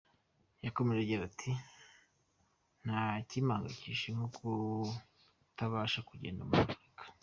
Yakomeje agira ati “Nta kimpangayikishije nko kutabasha kugenda muri Afurika.